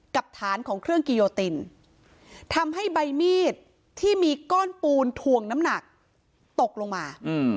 ฐานของเครื่องกิโยตินทำให้ใบมีดที่มีก้อนปูนถ่วงน้ำหนักตกลงมา